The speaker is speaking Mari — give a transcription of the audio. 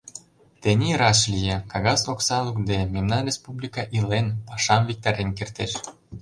Тений раш лие: кагаз окса лукде, мемнан республика илен, пашам виктарен кертеш.